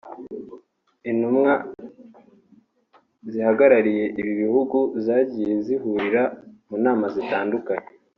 intumwa zihagarariye ibi bihugu zagiye zihurira mu nama zitandukanye